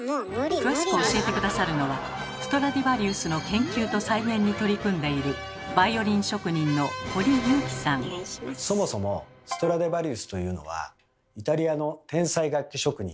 詳しく教えて下さるのはストラディヴァリウスの研究と再現に取り組んでいるそもそもストラディヴァリウスというのはイタリアの天才楽器職人